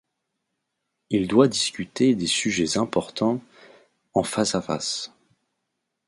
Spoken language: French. Il doit discuter des sujets importants en face à face.